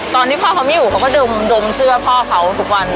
ตอนที่พ่อเขาไม่อยู่เขาก็ดมเสื้อพ่อเขาทุกวัน